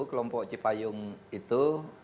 kelompok cipayung itu